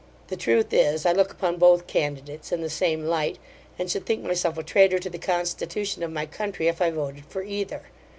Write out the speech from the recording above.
The truth is, I look upon both candidates in the same light; and should think myself a traitor to the constitution of my country, if I voted for either.